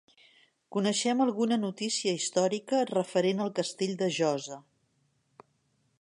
Coneixem alguna notícia històrica referent al castell de Josa.